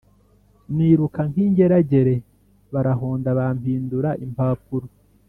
niruka nk’ingeragere barahonda bampindura impapuro